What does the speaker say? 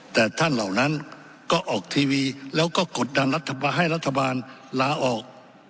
แต่ท่านเหล่านั้นก็ออกทีวีแล้วก็กดดันรัฐบาลให้รัฐบาลลาออก